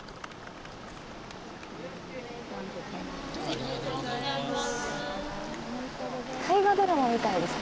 おめでとうございます。